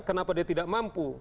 kenapa dia tidak mampu